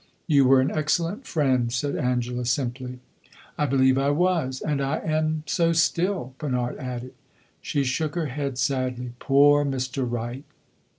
"You were an excellent friend," said Angela, simply. "I believe I was. And I am so still," Bernard added. She shook her head sadly. "Poor Mr. Wright!"